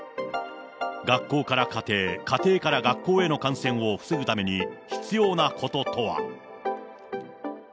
学校から家庭、家庭から学校への感染を防ぐために必要なこととは。